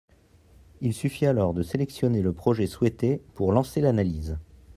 Il suffit alors de sélectionner le projet souhaité pour lancer l’analyse.